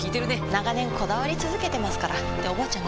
長年こだわり続けてますからっておばあちゃん